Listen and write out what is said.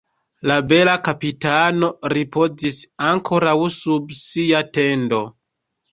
La bela kapitano ripozis ankoraŭ sub sia tendo.